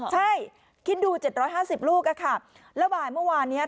ใช่คิดดู๗๕๐ลูกอะค่ะแล้วบ่ายเมื่อวานเนี้ย